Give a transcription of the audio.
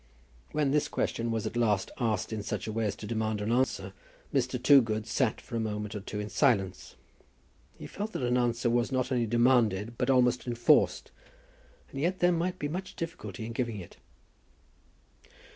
When this question was at last asked in such a way as to demand an answer, Mr. Toogood sat for a moment or two in silence. He felt that an answer was not only demanded, but almost enforced; and yet there might be much difficulty in giving it.